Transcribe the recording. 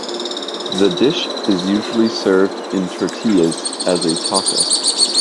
The dish is usually served in tortillas as a taco.